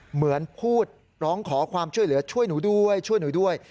เหมือนพูดร้องขอความช่วยเหลือช่วยหนูด้วยช่วยหนูด้วย